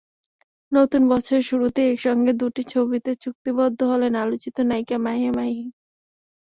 নতুন বছরের শুরুতেই একসঙ্গে দুটি ছবিতে চুক্তিবদ্ধ হলেন আলোচিত নায়িকা মাহিয়া মাহি।